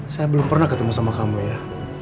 saya belum pernah ketemu sama kamu ya